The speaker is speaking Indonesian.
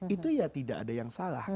itu ya tidak ada yang salah